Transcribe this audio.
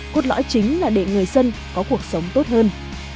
cốt lõi chính là để người dân có cuộc sống tốt hơn